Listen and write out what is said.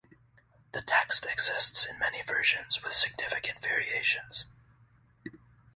The text exists in many versions, with significant variations.